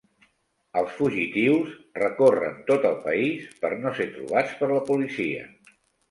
Els fugitius recorren tot el país per no ser trobats per la policia.